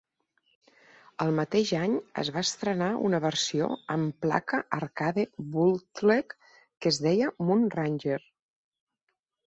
El mateix any es va estrenar una versió amb placa arcade bootleg que es deia "Moon Ranger".